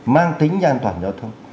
mang tính an toàn giao thông